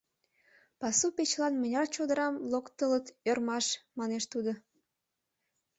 — Пасу печылан мыняр чодырам локтылыт, ӧрмаш! — манеш тудо.